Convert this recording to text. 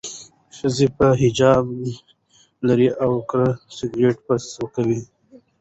ښځې به حجاب لرې کړ او سیګرټ به څکاوه.